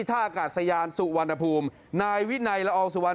ท่าอากาศยานสุวรรณภูมินายวินัยละอองสุวรร